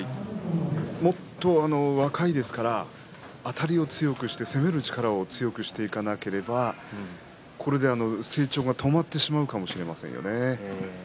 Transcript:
もっと若いですからあたりを強くして攻める力を強くしていかなければこれで成長が止まってしまうかもしれませんよね。